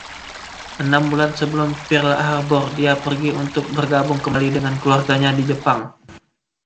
Enam bulan sebelum Pearl Harbor, dia pergi untuk bergabung kembali dengan keluarganya di Jepang.